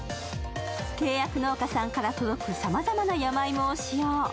契約農家さんから届くさまざまな山芋を使用。